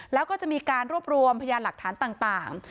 แล้วก็จะมีการรวบรวมพยานหลักฐานต่าง